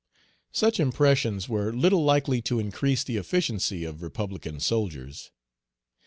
Such impressions were little likely to increase the efficiency of republican soldiers.